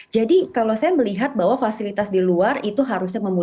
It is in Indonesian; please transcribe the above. jadi kalau saya melihat bahwa fasilitas di luar itu harusnya memudahkan